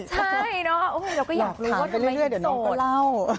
ใช่เนาะโอ้ยเราก็อยากถามกันเรื่อยเดี๋ยวน้องก็เล่า